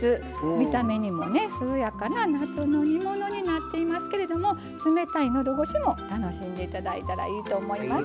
見た目にも涼やかな夏の煮物になっていますけれども冷たいのどごしも楽しんでいただいたらいいと思います。